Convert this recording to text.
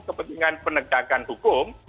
kepentingan penegakan hukum